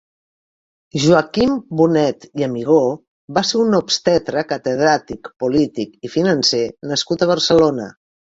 Joaquim Bonet i Amigó va ser un obstetra, catedràtic, polític i financer nascut a Barcelona.